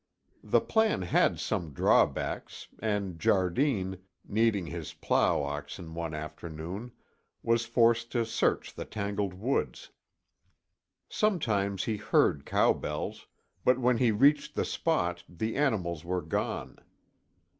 The plan had some drawbacks, and Jardine, needing his plow oxen one afternoon, was forced to search the tangled woods. Sometimes he heard cow bells, but when he reached the spot the animals were gone.